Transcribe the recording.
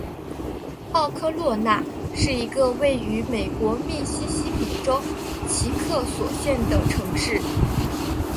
奥科洛纳是一个位于美国密西西比州奇克索县的城市。